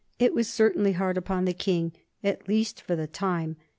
It was certainly hard upon the King, at least for the time.